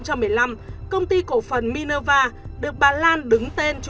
nhưng đến năm hai nghìn một mươi năm công ty cổ phần minerva được bà lan đứng tên chủ sở